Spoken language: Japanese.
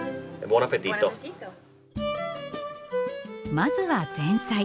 まずは前菜。